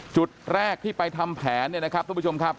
จุดแรกที่ไปทำแผนเนี่ยนะครับทุกผู้ชมครับ